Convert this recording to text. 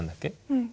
うん。